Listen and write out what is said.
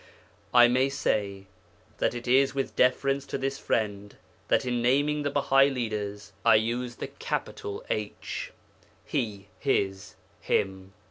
I may say that it is with deference to this friend that in naming the Bahai leaders I use the capital H (He, His, Him).